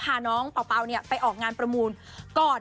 พาน้องเปาเปาเนี่ยไปออกงานประมูลกอด